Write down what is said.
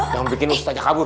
jangan bikin ustazah kabur